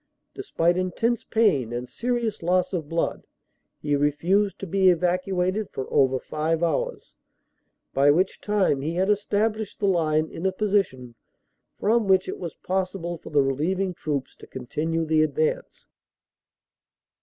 Despite intense pain and serious loss of blood he refused to be evacuated for over five hours, by which time he had established the line in a position from which it was possible for the relieving troops to continue the advance.